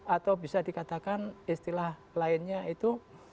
atau bisa dikatakan istilah lainnya itu